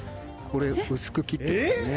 これ薄く切ってますね。